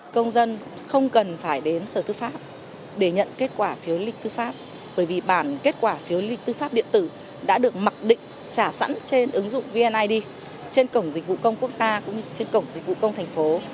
công dân không cần phải đến sở tư pháp để nhận kết quả phiếu lý lịch tư pháp bởi vì bản kết quả phiếu lý lịch tư pháp điện tử đã được mặc định trả sẵn trên ứng dụng vneid trên cổng dịch vụ công quốc gia cũng như trên cổng dịch vụ công thành phố